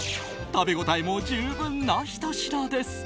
食べ応えも十分なひと品です。